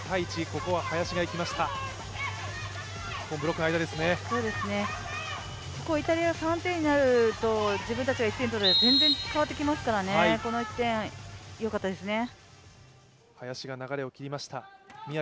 ここイタリア、３点になると、自分たちが１点取るのと全然変わってきますから、この１点よかったですね。